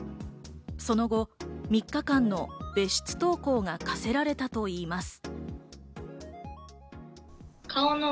その後、３日間の別室登校が課せられたといいます。